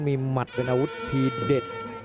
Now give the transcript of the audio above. มีหมัดเป็นอาวุธทีเด็ด